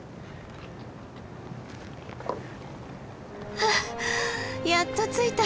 ふうやっと着いた。